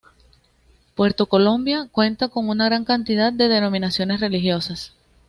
Puerto Colombia cuenta con una gran cantidad de denominaciones religiosas.